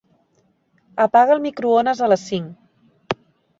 Apaga el microones a les cinc.